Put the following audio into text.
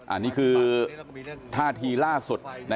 อันนี้คือท่าทีล่าสุด